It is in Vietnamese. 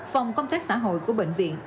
phòng công tác xã hội của bệnh viện